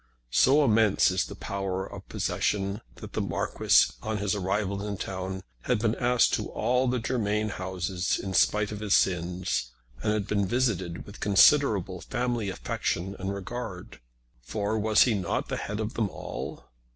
So immense is the power of possession that the Marquis, on his arrival in town, had been asked to all the Germain houses in spite of his sins, and had been visited with considerable family affection and regard; for was he not the head of them all?